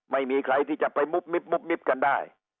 ไม่มีใครที่จะไปมุบมิบมิบกันได้